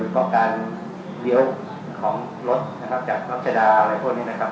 ภาวการเดียวกินของรถจากรับชาดาอะไรพวกนี่นะครับ